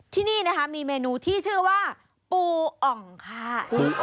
ที่นี่นะคะมีเมนูที่ชื่อว่าปูอ่องค่ะ